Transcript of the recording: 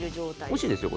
おいしいですよ。